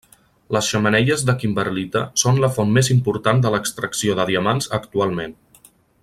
Les xemeneies de kimberlita són la font més important de l'extracció de diamants actualment.